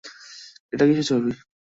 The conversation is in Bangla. এটা কীসের ছবি?